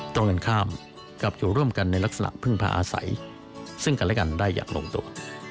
ตรงกันข้ามกลับอยู่ร่วมกันในลักษณะพึ่งพาอาศัยซึ่งกันและกันได้อย่างลงตัว